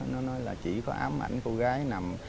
nó nói là chỉ có ám ảnh cô gái nằm